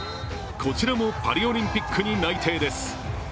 こちらもパリオリンピックに内定です。